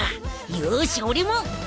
よし俺も。